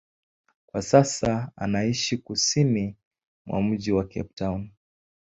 Kwa sasa anaishi kusini mwa mji wa Cape Town.